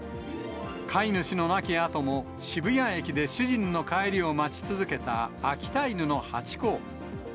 飼い主の亡きあとも渋谷駅で主人の帰りを待ち続けた秋田犬のハチ公。